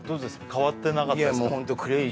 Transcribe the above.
変わってなかったですか？